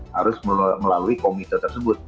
harus melalui komite tersebut